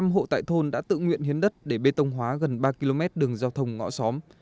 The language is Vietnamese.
một mươi hộ tại thôn đã tự nguyện hiến đất để bê tông hóa gần ba km đường giao thông ngõ xóm